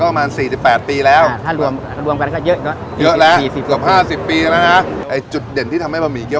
ประมาณ๑๕ปีรวมไปเสร็จก็๔๘ปีแล้ว